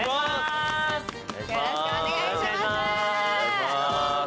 よろしくお願いします。